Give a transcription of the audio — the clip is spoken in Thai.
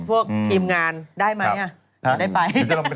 พวกทีมงานได้ไหมฮะ